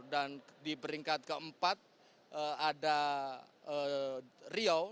dan di peringkat keempat ada riau